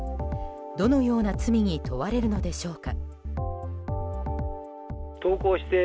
どのような罪に問われるのでしょうか。